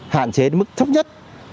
hạn chế mức thấp nhất